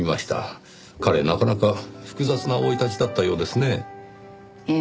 彼なかなか複雑な生い立ちだったようですねぇ。